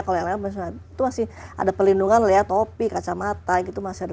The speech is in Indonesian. kalau yang lain itu masih ada pelindungan lihat topi kacamata gitu masih ada